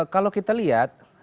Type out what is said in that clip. kalau kita lihat